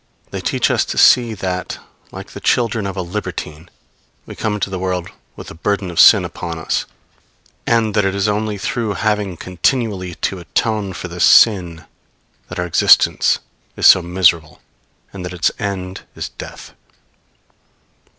They lead us to see that, like the children of a libertine, we come into the world with the burden of sin upon us; and that it is only through having continually to atone for this sin that our existence is so miserable, and that its end is death.